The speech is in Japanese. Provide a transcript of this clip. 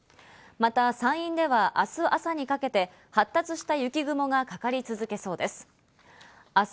また山陰では明日朝にかけて発達した雪雲がかかり続けそうです。